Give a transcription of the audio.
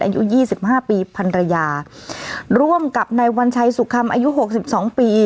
อายุยี่สิบห้าปีพันรยาร่วมกับนายวัญชัยสุขคำอายุหกสิบสองปี